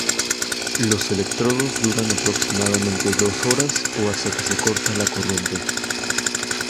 Los electrodos duran aproximadamente dos horas o hasta que se corta la corriente.